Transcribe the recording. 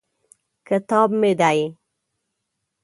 کتاب مې دی.